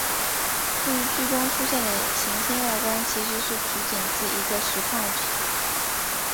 至于剧中出现的行星外观其实是取景自一个石矿场。